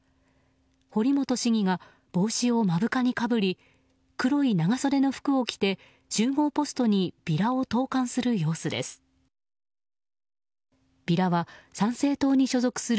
堀本市議が、帽子を目深にかぶり黒い長袖の服を着て集合ポストにビラを投函する様子です。